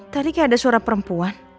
tadi kayak ada surat permohonan